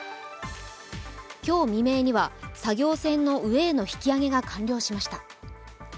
今日未明には作業船の上への引き揚げが完了しました。